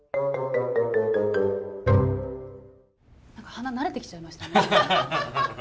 何か鼻慣れてきちゃいました。